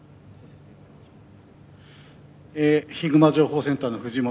ヒグマ情報センターの藤本です。